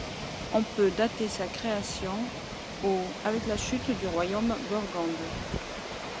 On peut dater sa création au avec la chute du royaume Burgonde.